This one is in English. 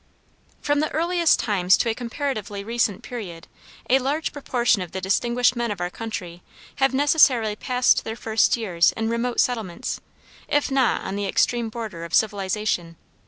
From the earliest times to a comparatively recent period, a large proportion of the distinguished men of our country have necessarily passed their first years in remote settlements, if not on the extreme border of civilization.